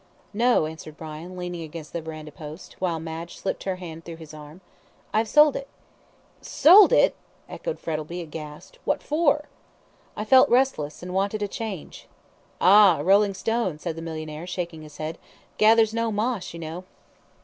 "No," answered Brian, leaning against the verandah post, while Madge slipped her hand through his arm. "I have sold it." "Sold it!" echoed Frettlby, aghast. "What for?" "I felt restless, and wanted a change." "Ah! a rolling stone," said the millionaire, shaking his head, "gathers no moss, you know."